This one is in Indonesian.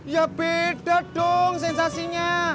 ya beda dong sensasinya